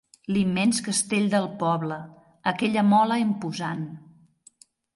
L'immens castell del poble, aquella mola imposant.